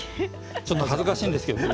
ちょっと僕恥ずかしいんですけど。